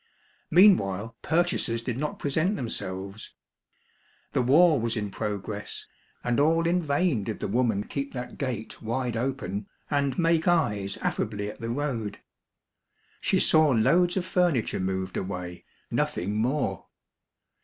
Meanwhile purchasers did not present them selves. The war was in progress, and all in vain did the woman keep that gate wide open, and make eyes affably at the road. She saw loads of furniture moved away, nothing more.